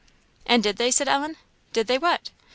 "And did they?" said Ellen. "Did they what?"